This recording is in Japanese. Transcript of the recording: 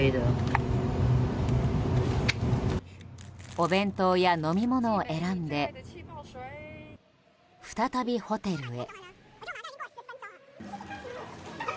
お弁当や飲み物を選んで再びホテルへ。